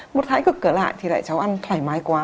một thái cực ở lại thì lại cháu ăn thoải mái quá